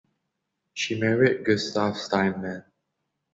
She married Gustav Steinmann.